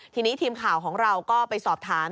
ทีนี้ทีมข่าวของเราก็ไปสอบถาม